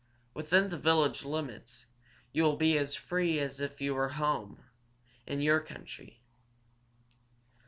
"Within the village limits you will be as free as if you were at home, in your own country.